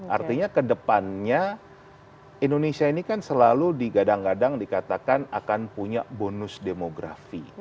artinya kedepannya indonesia ini kan selalu digadang gadang dikatakan akan punya bonus demografi